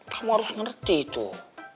kamu harus ngerti tuh